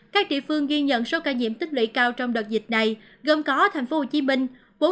các địa phương ghi nhận số ca nhiễm tích lưỡi cao trong đợt dịch này gồm có thành phố hồ chí minh bốn trăm chín mươi chín năm trăm một mươi ba